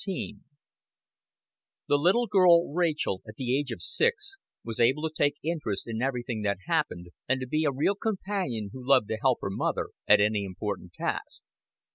XV The little girl Rachel at the age of six was able to take interest in everything that happened, and to be a real companion who loved to help her mother at any important task.